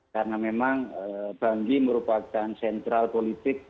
karena memang banggi merupakan sentral politik